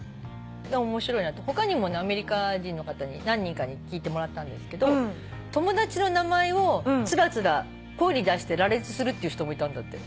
他にもアメリカ人の方何人かに聞いてもらったんですけど「友達の名前をつらつら声に出して羅列する」っていう人もいたんだって。